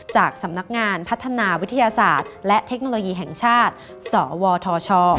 จากสำนักงานพัฒนาวิทยาศาสตร์และเทคโนโลยีแห่งชาติสวทช